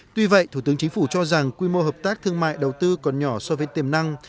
tuy vậy thủ tướng chính phủ cho rằng quy mô hợp tác thương mại đầu tư còn nhỏ so với tiềm năng